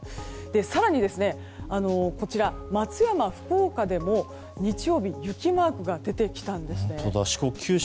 更に松山、福岡でも日曜日に雪マークが出てきたんです。